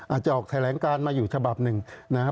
อาจจะออกแถลงการมาอยู่ฉบับหนึ่งนะฮะ